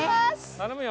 頼むよ！